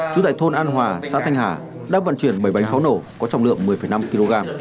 chú tại thôn an hòa xã thanh hà đang vận chuyển bảy bánh pháo nổ có trọng lượng một mươi năm kg